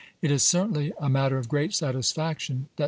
It is certainly a matter of great satisfaction that